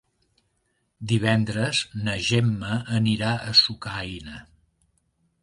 Divendres na Gemma anirà a Sucaina.